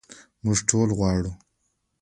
موږ ټول غواړو.